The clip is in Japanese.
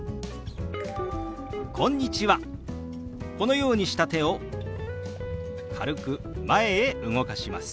このようにした手を軽く前へ動かします。